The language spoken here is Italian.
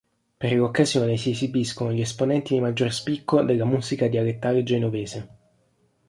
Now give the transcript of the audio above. Per l'occasione si esibiscono gli esponenti di maggior spicco della musica dialettale genovese.